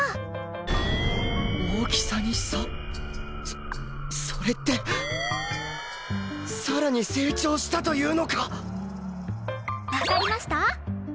そそれってさらに成長したというのか！？わかりました？